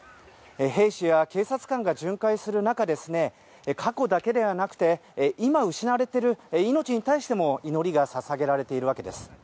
兵士や警察官が巡回する中過去だけではなくて今、失われている命に対しても祈りが捧げられているわけです。